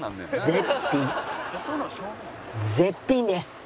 絶品です！